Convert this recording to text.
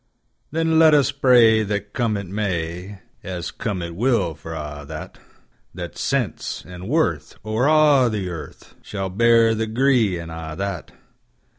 Then let us pray that come it may,(As come it will for a' that,)That Sense and Worth, o'er a' the earth, Shall bear the gree, an' a' that.